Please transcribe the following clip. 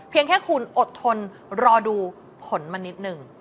เพียงแค่คุณอดทนรอดูผลมานิดนึง